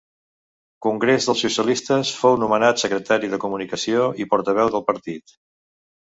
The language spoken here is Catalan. Congrés dels Socialistes, fou nomenat Secretari de Comunicació i Portaveu del partit.